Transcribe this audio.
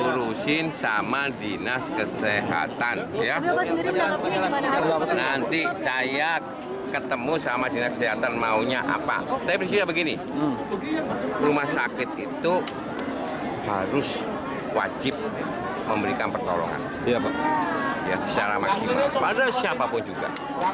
rumah sakit itu harus wajib memberikan pertolongan secara maksimal pada siapapun juga